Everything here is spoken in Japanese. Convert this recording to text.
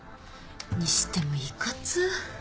にしてもいかつ。